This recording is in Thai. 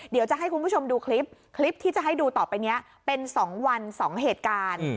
เดี๋ยวจะให้คุณผู้ชมดูคลิปคลิปที่จะให้ดูต่อไปนี้เป็น๒วัน๒เหตุการณ์